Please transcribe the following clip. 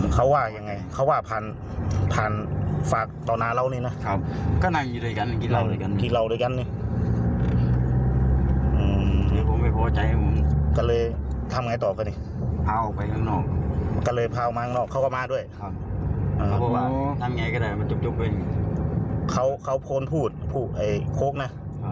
ก็เลยพาออกมาออกเขาก็มาด้วยเขาเข้าโพนพูดพูดไอ้โค้กนะ